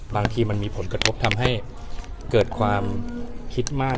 บางทีมันมีผลกระทบทำให้เกิดความคิดมาก